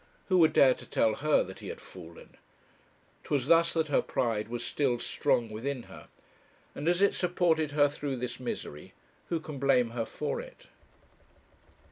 Who would dare to tell her that he had fallen? 'Twas thus that her pride was still strong within her; and as it supported her through this misery, who can blame her for it?